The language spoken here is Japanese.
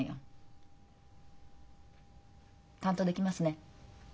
担当できますね？